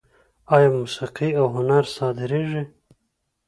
آیا موسیقي او هنر صادریږي؟